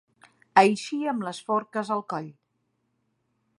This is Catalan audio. Eixir amb les forques al coll.